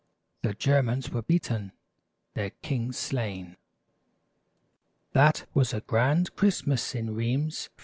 The Germans were beaten, their king slain. That was a grand Christmas in Rheims, 496.